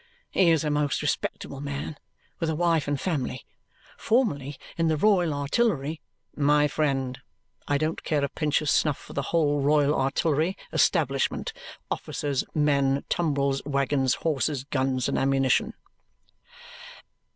He is a most respectable man with a wife and family, formerly in the Royal Artillery " "My friend, I don't care a pinch of snuff for the whole Royal Artillery establishment officers, men, tumbrils, waggons, horses, guns, and ammunition."